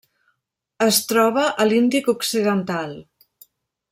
Es troba a l'Índic occidental: